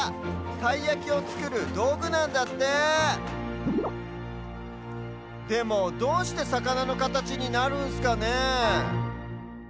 たいやきをつくるどうぐなんだってでもどうしてさかなのかたちになるんすかねえ。